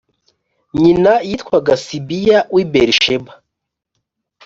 Nyina yitwaga Sibiya w i BeriSheba